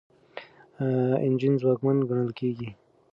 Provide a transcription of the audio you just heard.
انجن ځواکمن ګڼل کیږي.